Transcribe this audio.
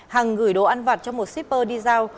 hằng gửi đồ ăn vặt cho một shipper đi giao